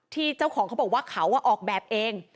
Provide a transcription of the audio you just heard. ที่เจ้าของเขาบอกว่าเขาออกแบบเอง